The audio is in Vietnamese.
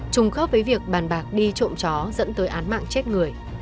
trùng khớp với việc bàn bạc đi trộm chó dẫn tới án mạng chết người